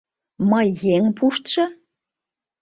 Мый еҥ пуштшо?